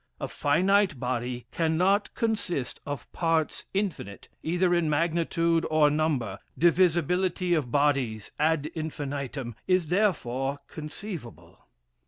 A finite body cannot consist of parts infinite, either in magnitude or number; divisibility of bodies ad infinitum, is therefore conceivable.